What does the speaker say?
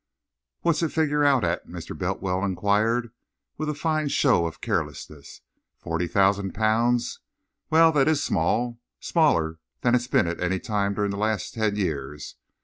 "What's it figure out at?" Mr. Bultiwell enquired, with a fine show of carelessness. "Forty thousand pounds? Well, that is small smaller than it's been at any time during the last ten years.